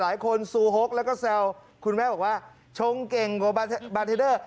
ซูฮกแล้วก็แซวคุณแม่บอกว่าชงเก่งกว่าบาร์เทเดอร์